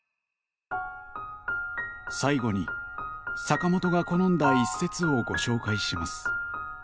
最後に坂本が好んだ一節をご紹介します。